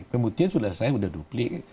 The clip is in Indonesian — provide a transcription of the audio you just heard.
pemutian sudah selesai sudah duplik